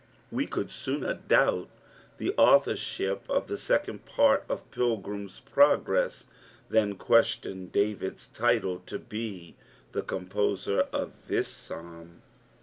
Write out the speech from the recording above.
We could sooner doubt the aalhorship i^the second part of PUgrim'a Progress than ^ueslion DauiiTa title to be the aompoMT r^ this Psalm.